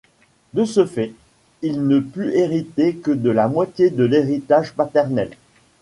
De ce fait, il ne put hériter que de la moitié de l'héritage paternel.